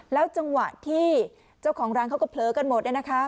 แล้วจังหวะที่เจ้าของร้านเขาก็เผลอกันหมดเลยนะคะ